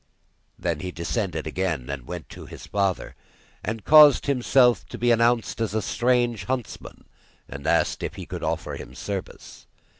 Then he descended again, and went to his father, and caused himself to be announced as a strange huntsman, and asked if he could offer him service.